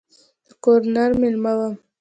د ګورنر مېلمه وم.